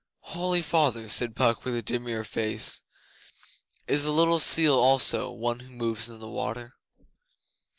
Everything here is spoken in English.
'Holy Father,' said Puck with a demure face, 'is a little seal also "one who moves in the water"?